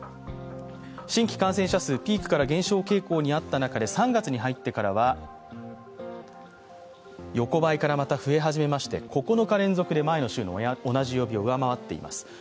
新規感染者数ピークから減少傾向にあった中で３月に入ってからは横ばいから、また増え始めまして９日連続で前の週の同じ曜日を上回っています。